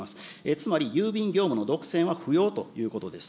つまり郵便業務の独占は不要ということです。